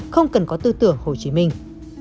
không cần có tư tưởng hồ chí minh